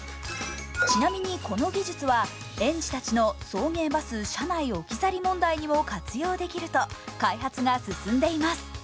ちなみにこの技術は、園児たちの送迎バス車内置き去り問題にも活用できると、開発が進んでいます。